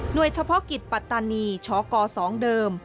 โดยเฉพาะกิจปัตตานีชก๒เดิม